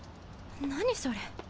何それ。